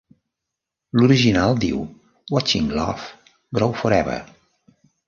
L'original diu "Watching love grow forever".